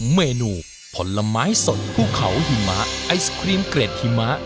เมนูผลไม้สดภูเขาหิมะไอศครีมเกรดหิมะ